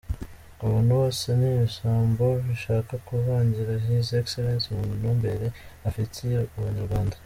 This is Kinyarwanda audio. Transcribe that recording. Aba bantu bose nibisambo bishaka kuvangire His Exellence mu ntumbero afitiye abanyarwanda.